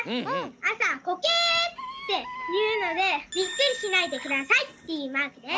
あさ「コケ！」っていうのでビックリしないでくださいっていうマークです。